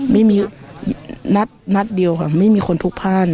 อ๋อไม่มีนัดเดียวค่ะไม่มีคนพุกพ่าน